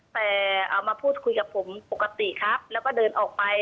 แต่เอามาพูดคุยกับผมปกติครับแล้วก็เดินออกไป